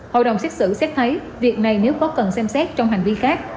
hội đồng xét xử xét thấy việc này nếu có cần xem xét trong hành vi khác